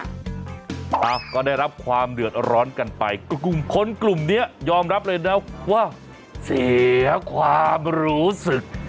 อ่ะก็ได้รับความเดือดร้อนกันไปกลุ่มคนกลุ่มเนี้ยยอมรับเลยนะว่าเสียความรู้สึก